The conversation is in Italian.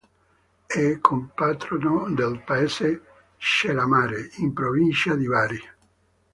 È compatrono del paese Cellamare, in provincia di Bari.